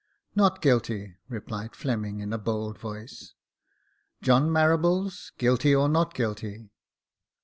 " Not guilty," replied Fleming, in a bold voice. "John Marables — guilty or not guilty?"